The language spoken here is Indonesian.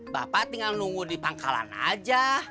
bapak tinggal nunggu di pangkalan aja